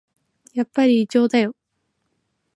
やっぱり異常だよ